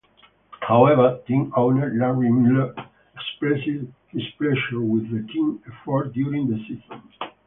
However, team owner Larry Miller expressed displeasure with the team's effort during the season.